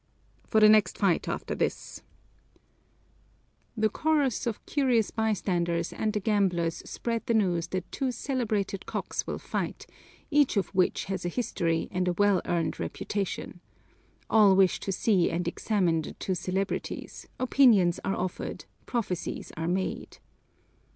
"For the next fight after this!" The chorus of curious bystanders and the gamblers spread the news that two celebrated cocks will fight, each of which has a history and a well earned reputation. All wish to see and examine the two celebrities, opinions are offered, prophecies are made.